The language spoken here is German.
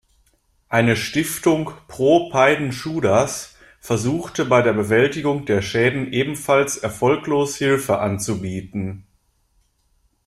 Eine Stiftung "Pro Peiden-Schuders" versuchte bei der Bewältigung der Schäden ebenfalls erfolglos Hilfe anzubieten.